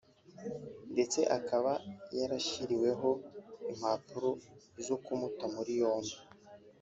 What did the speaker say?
ndetse akaba yarashyiriweho impapuro zo kumuta muri yombi